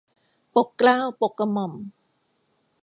ปกเกล้าปกกระหม่อม